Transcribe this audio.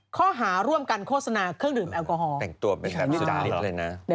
ข้าวหาร่วมกันโฆษณาเครื่องดื่มแอลกอฮอล์